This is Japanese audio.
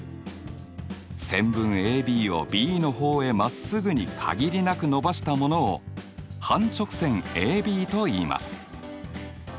線分ＡＢをＢの方へまっすぐにかぎりなくのばしたものを半直線ＡＢといいます。